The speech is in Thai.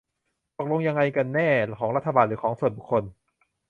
ตกลงยังไงกันแน่ ของรัฐบาล หรือของส่วนบุคคล ?